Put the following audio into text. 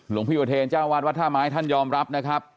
หลวงพี่ประเทศชาวน์วัทธาหมายท่านยอมรับนะครับ